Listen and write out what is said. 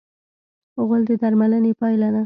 غول د درملنې پایله ده.